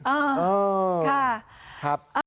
อ้าวค่ะ